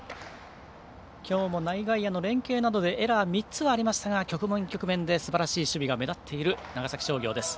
今日も内外野の連携などでエラー３つがありましたが局面、局面ですばらしい守備が目立っている長崎商業です。